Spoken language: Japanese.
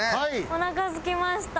おなかすきました。